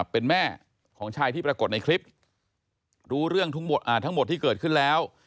เป็นแม่ของชายที่ปรากฏในคลิปรู้เรื่องทั้งหมดที่เกิดขึ้นแล้ว